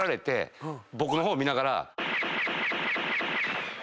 僕の方見ながら。